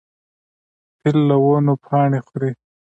فیل له ونو پاڼې خوري.